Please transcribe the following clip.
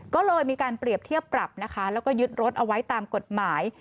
ก็เลยมีการเปรียบเทียบปรับนะคะแล้วก็ยึดรถเอาไว้ตามกฎหมาย